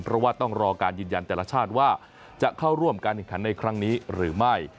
เพราะว่าต้องรอการยืนยันแต่ละชาติว่าจะเข้าร่วมการแข่งขันในครั้งนี้หรือไม่